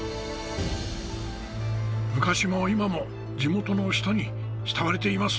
昔も今も地元の人に慕われています。